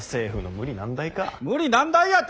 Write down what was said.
無理難題やて？